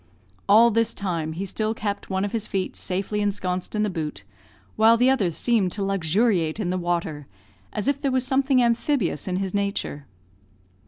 All this time he still kept one of his feet safely ensconced in the boot, while the other seemed to luxuriate in the water, as if there was something amphibious in his nature.